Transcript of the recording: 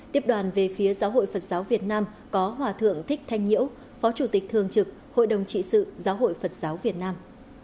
tiếp đoàn về phía giáo hội phật giáo việt nam có hòa thượng thích thanh nhiễu phó chủ tịch thường trực hội đồng trị sự giáo hội phật giáo việt nam